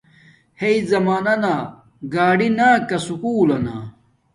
ھأݶ زمانانا گاڈی نا کا سکُول لنا